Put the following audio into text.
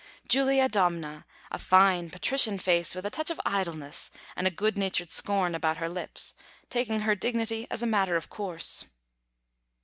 Julia Domna, a fine, patrician face, with a touch of idleness and good natured scorn about her lips, taking her dignity as a matter of course.